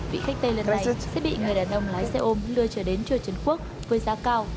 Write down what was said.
vị khách tây lần này sẽ bị người đàn ông lái xe ôm lưa trở đến chùa trung quốc với giá cao